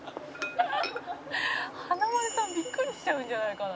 「華丸さんビックリしちゃうんじゃないかな」